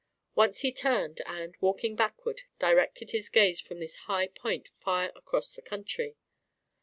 Once he turned, and, walking backward, directed his gaze from this high point far across the country.